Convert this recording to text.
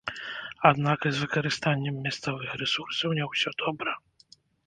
Аднак і з выкарыстаннем мясцовых рэсурсаў не ўсё добра.